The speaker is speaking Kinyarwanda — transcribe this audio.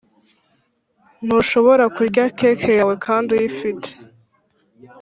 ntushobora kurya cake yawe kandi uyifite.